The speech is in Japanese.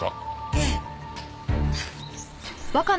ええ。